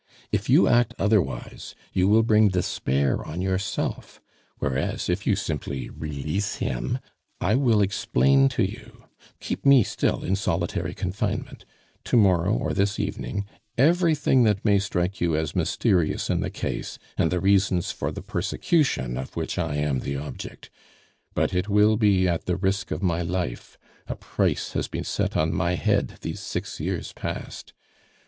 If you act otherwise, you will bring despair on yourself; whereas, if you simply release him, I will explain to you keep me still in solitary confinement to morrow or this evening, everything that may strike you as mysterious in the case, and the reasons for the persecution of which I am the object. But it will be at the risk of my life, a price has been set on my head these six years past....